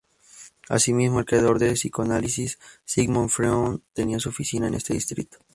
Asimismo, el creador del psicoanálisis Sigmund Freud tenía su oficina en este distrito.